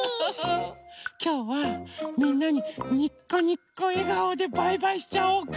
きょうはみんなににこにこえがおでバイバイしちゃおうか。